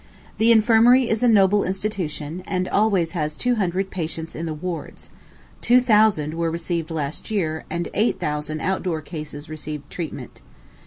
The Infirmary is a noble institution, and always has two hundred patients in the wards; two thousand were received last year, and eight thousand out door cases received treatment.